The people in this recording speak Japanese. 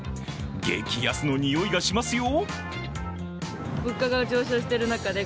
激安の匂いがしますよ。